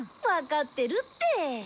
わかってるって。